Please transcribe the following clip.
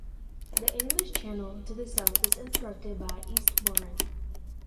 The English Channel to the south is interrupted by Eastbourne.